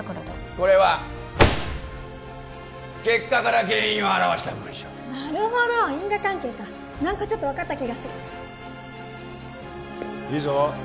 これは結果から原因を表した文章なるほど因果関係か何かちょっと分かった気がするいいぞ